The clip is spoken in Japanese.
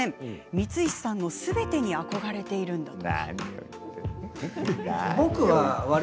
光石さんのすべてに憧れているんだとか。